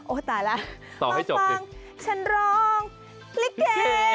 โอ้ตายแล้วมาฟังฉันร้องลิเก่